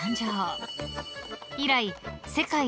［以来］